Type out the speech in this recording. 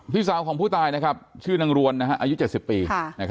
พี่สาวของผู้ตายนะครับชื่อนางรวนอายุ๗๐ปี